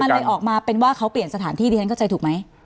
เลยออกมาเป็นว่าเขาเปลี่ยนสถานที่ดิฉันเข้าใจถูกไหม